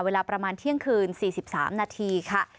เวลาประมาณเที่ยงคืน๔๓นาทีค่ะ